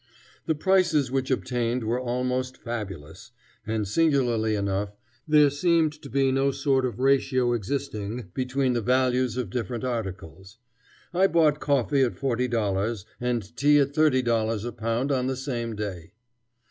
The prices which obtained were almost fabulous, and singularly enough there seemed to be no sort of ratio existing between the values of different articles. I bought coffee at forty dollars and tea at thirty dollars a pound on the same day.